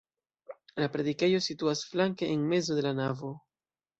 La predikejo situas flanke en mezo de la navo.